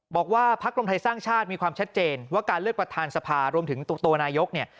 บอกว่าพักรวมไทยสร้างชาติมีความชัดเจนว่าการเลือกประธานสภารวมถึงตัวนายกเนี่ย